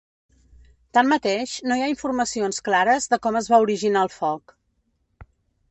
Tanmateix, no hi ha informacions clares de com es va originar el foc.